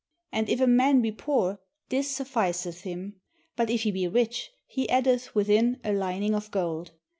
And if a man be poor, this sufficeth him; but if he be rich, he addeth within a hning of gold.